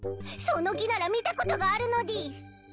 その木なら見たことがあるのでぃす！